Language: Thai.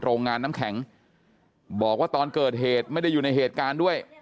โรงงานน้ำแข็งบอกว่าตอนเกิดเหตุไม่ได้อยู่ในเหตุการณ์ด้วย